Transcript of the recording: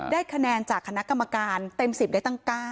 ได้คะแนนจากคณะกรรมการเต็ม๑๐ได้ตั้ง๙